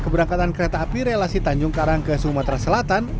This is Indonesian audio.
keberangkatan kereta api relasi tanjung karang ke sumatera selatan